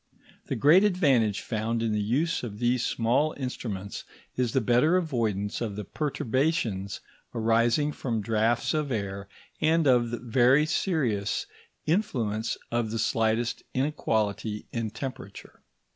The great advantage found in the use of these small instruments is the better avoidance of the perturbations arising from draughts of air, and of the very serious influence of the slightest inequality in temperature.